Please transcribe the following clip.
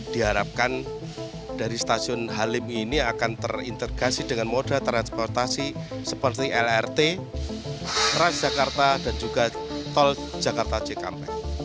diharapkan dari stasiun halim ini akan terintegrasi dengan moda transportasi seperti lrt transjakarta dan juga tol jakarta cikampek